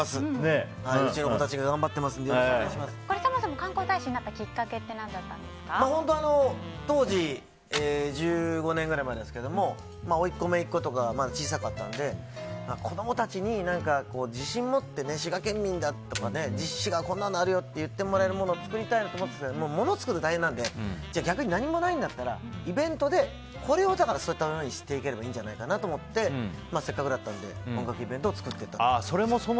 うちの子たちが頑張ってますのでそもそも観光大使になった当時１５年くらい前ですけどもおいっ子、めいっ子とかがまだ小さかったので子供たちに自信を持って滋賀県民だとかこんなのあるよって言ってもらえるの作りたいって思ってて物を作るのは大変なので逆に何もないんだったらイベントでこれを名物にしてもらったらいいんじゃないかということでせっかくだったので音楽イベントを作っていったという。